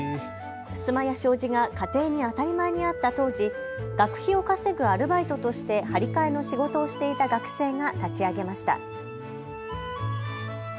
ふすまや障子が家庭に当たり前にあった当時、学費を稼ぐアルバイトとして張り替えの仕事をしていた学生が立ち上げました。